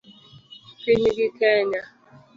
Pinygi Kenya